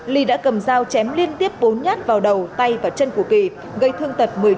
ly đã cầm dao chém liên tiếp bốn nhát vào đầu tay và chân của kỳ gây thương tật một mươi chín